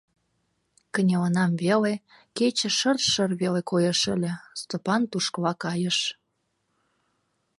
Кынелынам веле, кече шыр-шыр веле коеш ыле — Стопан тушкыла кайыш...